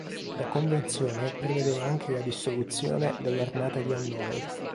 La convenzione prevedeva anche la dissoluzione dell'armata di Hannover.